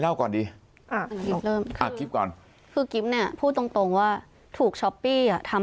เล่าก่อนดีอ่ะกิ๊บก่อนคือกิ๊บเนี่ยพูดตรงว่าถูกช้อปปี้ทำ